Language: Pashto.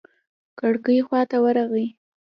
کړکۍ خوا ته ورغى.